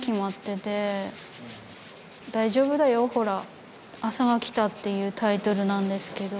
「大丈夫だよ、ほら朝が来た」っていうタイトルなんですけど。